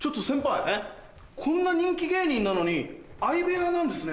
こんな人気芸人なのに相部屋なんですね。